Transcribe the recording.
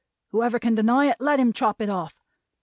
Whoever can deny it, let him chop it off!